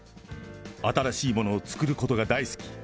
新しいものを作ることが大好き。